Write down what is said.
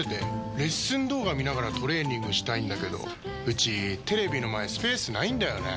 レッスン動画見ながらトレーニングしたいんだけどうちテレビの前スペースないんだよねー。